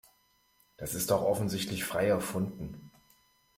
Das ist doch offensichtlich frei erfunden.